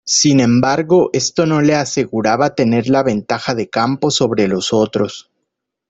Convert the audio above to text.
Sin embargo esto no le aseguraba tener la ventaja de campo sobre los otros.